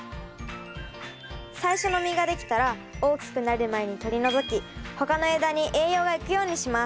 最初の実が出来たら大きくなる前に取りのぞき他の枝に栄養がいくようにします。